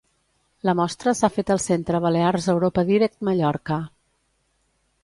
La mostra s'ha fet al Centre Balears Europa Direct Mallorca.